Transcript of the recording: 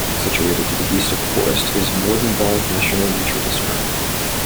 Situated to the east of the forest is Morden Bog National Nature Reserve.